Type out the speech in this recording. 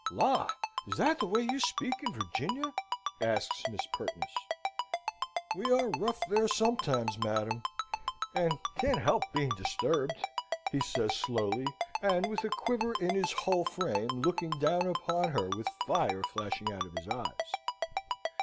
"La! Is that the way you speak in Virginia?" asks Miss Pertness. "We are rough there sometimes, madam, and can't help being disturbed," he says slowly, and with a quiver in his whole frame, looking down upon her with fire flashing out of his eyes.